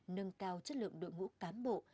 nâng cao chất lượng đội ngũ cán bộ